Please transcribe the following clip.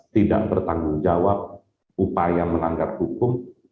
tidak bertanggung jawab upaya melanggar hukum